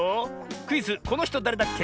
クイズ「このひとだれだっけ？」